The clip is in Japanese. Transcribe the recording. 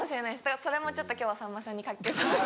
だからそれもちょっと今日はさんまさんに。